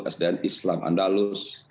sdn islam andalus